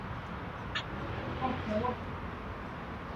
其主要用户为北京地铁。